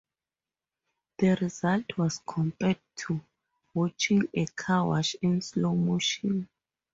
The result was compared to "watching a car crash in slow motion".